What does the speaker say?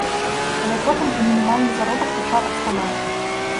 Але потым і мінімальны заробак пачаў адставаць.